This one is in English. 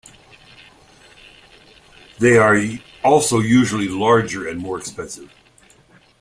They are also usually larger and more expensive.